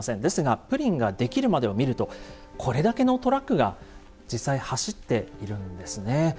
ですがプリンが出来るまでを見るとこれだけのトラックが実際走っているんですね。